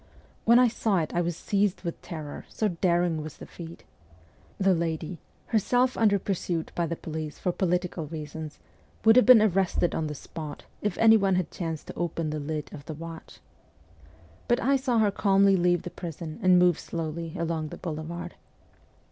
When I saw it I was seized with terror, so daring was the feat. The lady, herself under pursuit by the police for political reasons, would have been arrested on the spot, if any one had chanced to open the lid of the watch. But I saw her calmly leave the prison and move slowly along the boulevard.